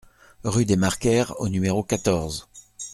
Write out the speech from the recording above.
Rue des Marcaires au numéro quatorze